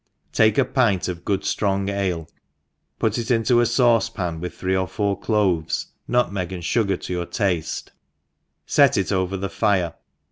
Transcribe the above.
TAKE a pint of good ftrong ale, put it into a faucepan, with thre^ or four cloves, nutmeg and fugar to your tafte, fet it over the fire, when X 4 it L.